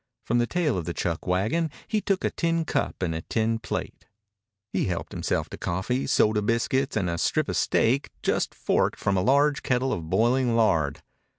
From the tail of the chuck wagon he took a tin cup and a tin plate. He helped himself to coffee, soda biscuits, and a strip of steak just forked from a large kettle of boiling lard.